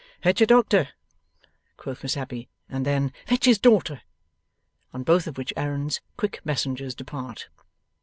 'Fetch a doctor,' quoth Miss Abbey. And then, 'Fetch his daughter.' On both of which errands, quick messengers depart.